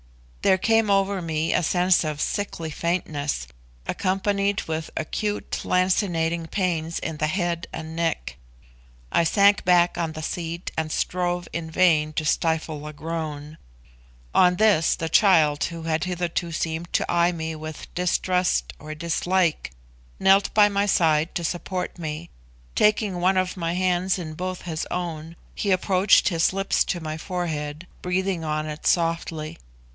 There came over me a sense of sickly faintness, accompanied with acute, lancinating pains in the head and neck. I sank back on the seat and strove in vain to stifle a groan. On this the child, who had hitherto seemed to eye me with distrust or dislike, knelt by my side to support me; taking one of my hands in both his own, he approached his lips to my forehead, breathing on it softly.